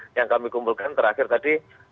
yang kami kumpulkan terakhir tadi